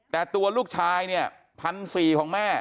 แต่ตัวลูกชาย๑๔๐๐บาทของแม่